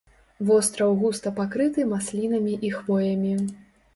Востраў густа пакрыты маслінамі і хвоямі.